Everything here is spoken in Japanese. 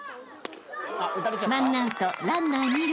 ［１アウトランナー２塁。